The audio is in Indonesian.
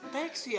taksi ya tuh